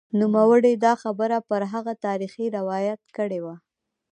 نوموړي دا خبره پر هغه تاریخي روایت کړې وه